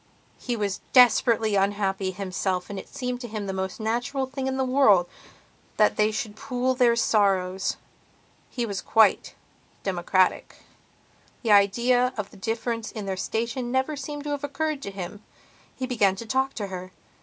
He was desperately unhappy himself and it seemed to him the most natural thing in the world that they should pool their sorrows. He was quite democratic; the idea of the difference in their station never seems to have occurred to him. He began to talk to her.